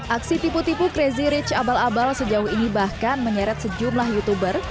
aksi tipu tipu crazy rich abal abal sejauh ini bahkan menyeret sejumlah youtuber